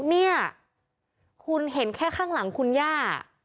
เนี่ยคุณเห็นแค่ข้างหลังคุณย่า